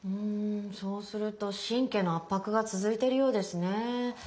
そうすると神経の圧迫が続いているようですね。